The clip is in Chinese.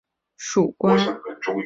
张骘开始是段业的属官。